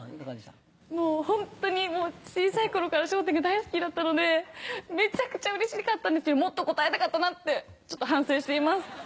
もうホントに小さい頃から『笑点』が大好きだったのでめちゃくちゃうれしかったんですけどもっと答えたかったなってちょっと反省しています。